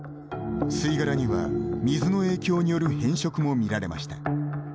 吸い殻には水の影響による変色も見られました。